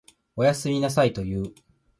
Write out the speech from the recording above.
おやすみなさいと言う。